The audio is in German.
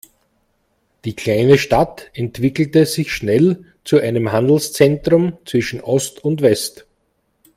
Die kleine Stadt entwickelte sich schnell zu einem Handelszentrum zwischen Ost und West.